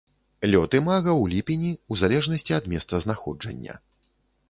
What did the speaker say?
Лёт імага ў ліпені ў залежнасці ад месцазнаходжання.